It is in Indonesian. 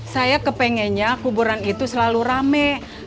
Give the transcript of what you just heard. saya kepengennya kuburan itu selalu rame